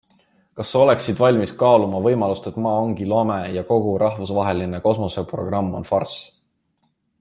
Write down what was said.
Kas sa oleksid valmis kaaluma võimalust, et Maa ongi lame ja kogu rahvusvaheline kosmoseprogramm on farss?